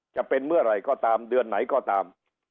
จะเป็นเมื่อไหร่ก็ตามเดือนไหนก็ตาม